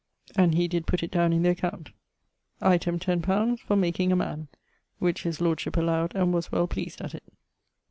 And he did put it downe in the account 'Item, x_li._ for making a man' which his lordship allowed and was well pleased at it.